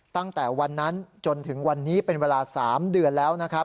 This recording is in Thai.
ตั้งแต่วันนั้นจนถึงวันนี้เป็นเวลา๓เดือนแล้วนะครับ